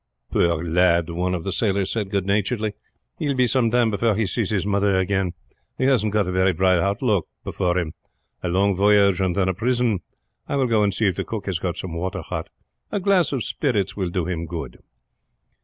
"Poor lad," one of the sailors said good naturedly, "he will be some time before he sees his mother again. He hasn't got a very bright lookout before him a long voyage, and then a prison. I will go and see if the cook has got some water hot. A glass of spirits will do him good."